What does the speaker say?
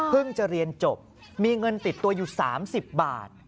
จะเรียนจบมีเงินติดตัวอยู่๓๐บาท